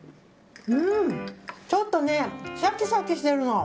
ちょっとシャキシャキしてるの。